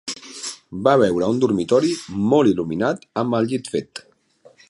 Va veure un dormitori molt il·luminat amb el llit fet.